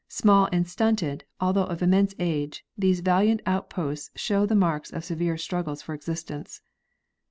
Small and stunted, although of immense age, these valiant outposts show the marks of severe struggles for existence.